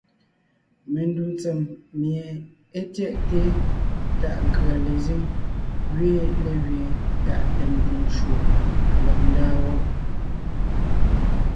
Mendù tsèm mie é tyɛʼte tàʼ nkʉ̀a lezíŋ gẅiin légẅiin tàʼ tèmte ncwò lɔg ńdaa wɔ́b.